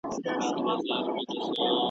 او د سراج الاخبار د مدير